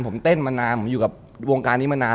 ผมเต้นมานานผมอยู่กับวงการนี้มานาน